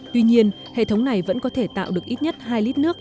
tuy nhiên hệ thống này vẫn có thể tạo được ít nhất hai lít nước